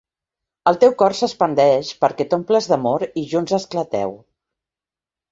El teu cor s'expandeix perquè t'omples d'amor i junts esclateu.